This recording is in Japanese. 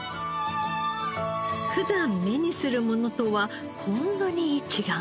普段目にするものとはこんなに違うんですね。